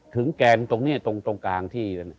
ถึงแกงตรงนี้ตรงตรงกลางที่